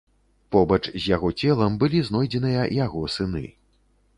Побач з яго целам былі знойдзеныя яго сыны.